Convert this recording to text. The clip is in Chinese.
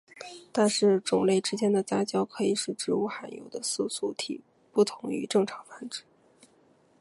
但是种类之间的杂交可以使植物含有的色素体不同于正常繁殖。